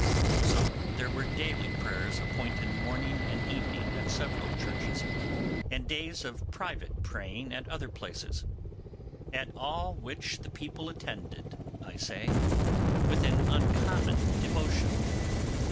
Also there were daily prayers appointed morning and evening at several churches, and days of private praying at other places; at all which the people attended, I say, with an uncommon devotion.